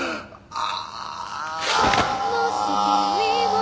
あ。